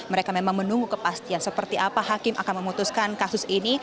mereka memang menunggu kepastian seperti apa hakim akan memutuskan kasus ini